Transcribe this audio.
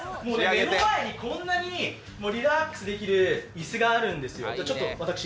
目の前にこんなにリラックスできる椅子があるんですよ。